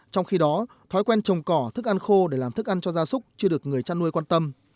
trong khi đó thói quen trồng cỏ thức ăn khô để làm thức ăn cho gia súc chưa được người chăn nuôi quan tâm